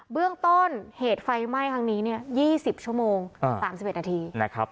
เบื้องต้นเหตุไฟไหม้ทางนี้๒๐ชั่วโมง๓๑นาที